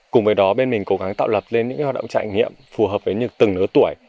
cùng với đó bên mình cố gắng tạo lập lên những hoạt động trải nghiệm phù hợp với nhược từng lứa tuổi